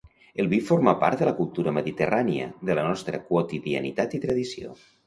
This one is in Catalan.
El vi forma part de la cultura mediterrània, de la nostra quotidianitat i tradició.